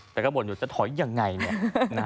แต่ก็บ่นอยู่จะถอยยังไงเนี่ย